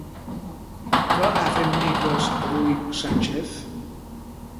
Què ha fet miques avui Sánchez?